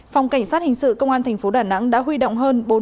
phòng cảnh sát hình sự công an tp đà nẵng đã huy động hơn